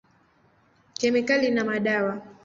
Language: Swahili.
Kemikali na madawa.